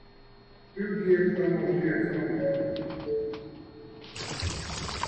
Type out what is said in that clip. Do Giacomo Giacomo.